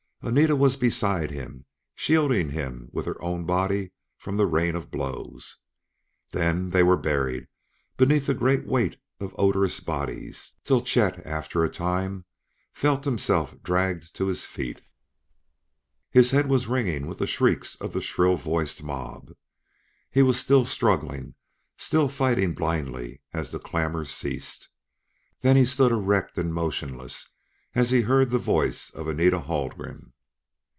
Anita was beside him, shielding him with her own body from the rain of blows. Then they were buried beneath a great weight of odorous bodies till Chet, after a time, felt himself dragged to his feet. His head, was ringing with the shrieks of the shrill voiced mob. He was still struggling, still fighting blindly, as the clamor ceased. Then he stood erect and motionless as he heard the voice of Anita Haldgren.